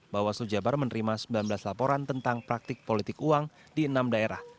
bawah seluruh jawa barat menerima sembilan belas laporan tentang praktik politik uang di enam daerah